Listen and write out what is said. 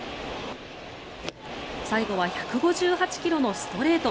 最後は１５８ｋｍのストレート。